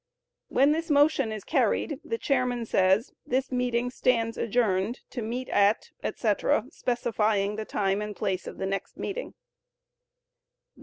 When this motion is carried, the chairman says, "This meeting stands adjourned to meet at," etc., specifying the time and place of the next meeting.